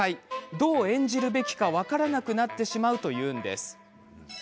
どう演じるべきか分からなくなってしまうというんです。